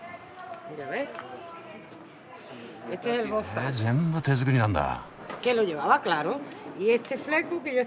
へえ全部手作りなんだ。